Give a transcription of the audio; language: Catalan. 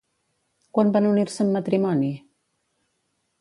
Quan van unir-se en matrimoni?